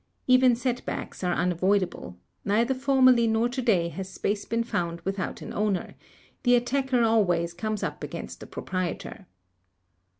Even setbacks are unavoidable: neither formerly nor today has space been found without an owner; the attacker always comes up against the proprietor."